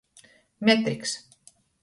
Metryks.